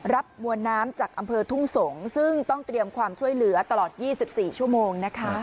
มวลน้ำจากอำเภอทุ่งสงศ์ซึ่งต้องเตรียมความช่วยเหลือตลอด๒๔ชั่วโมงนะคะ